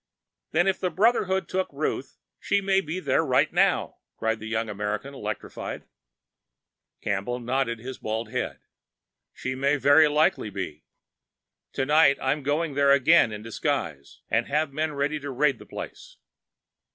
"Then if the Brotherhood took Ruth, she may be at that place now!" cried the young American, electrified. Campbell nodded his bald head. "She may very likely be. Tonight I'm going there again in disguise, and have men ready to raid the place.